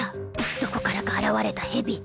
どこからか現れたヘビ。